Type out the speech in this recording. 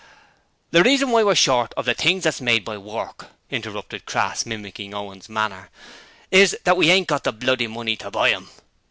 'The reason why we're short of the things that's made by work,' interrupted Crass, mimicking Owen's manner, 'is that we ain't got the bloody money to buy 'em.'